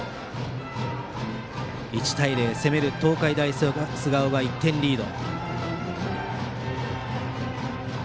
１対０攻める東海大菅生は１点リード。